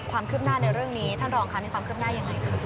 ความคืบหน้าในเรื่องนี้ท่านรองค่ะมีความคืบหน้ายังไงคะ